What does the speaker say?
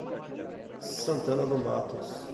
Santana do Matos